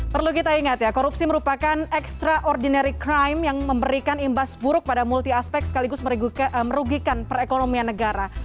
perlu kita ingat ya korupsi merupakan extraordinary crime yang memberikan imbas buruk pada multi aspek sekaligus merugikan perekonomian negara